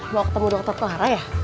mau ketemu dokter clara ya